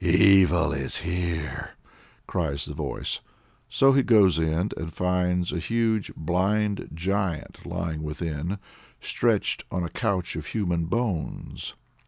"Evil is here," cries the voice. So in he goes, and finds a huge, blind giant lying within, stretched on a couch of human bones.